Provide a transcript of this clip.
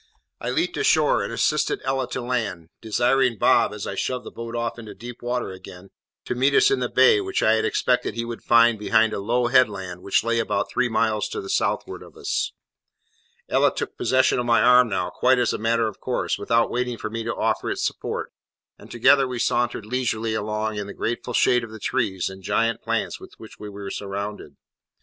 I leaped ashore, and assisted Ella to land, desiring Bob, as I shoved the boat off into deep water again, to meet us in the bay which I expected he would find behind a low headland which lay about three miles to the southward of us. Ella took possession of my arm now, quite as a matter of course, without waiting for me to offer its support, and together we sauntered leisurely along in the grateful shade of the trees and giant plants with which we were surrounded.